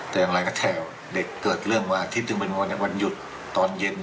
แต่อย่างไรก็แค่เด็กเกิดเรื่องมาอาทิตย์หนึ่งเป็นวันหยุดตอนเย็น